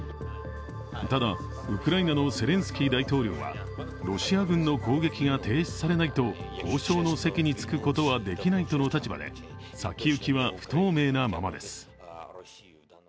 ただ、ウクライナのゼレンスキー大統領はロシア軍の攻撃が停止されないと交渉の席に着くことはできないとの立場で先行きは不透明なままです。